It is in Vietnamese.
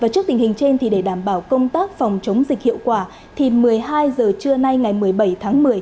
trước tình hình trên để đảm bảo công tác phòng chống dịch hiệu quả thì một mươi hai h trưa nay ngày một mươi bảy tháng một mươi